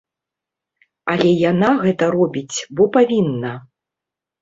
Але яна гэта робіць, бо павінна.